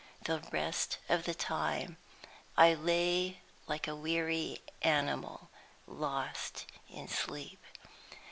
The rest of the time I lay like a weary animal, lost in sleep.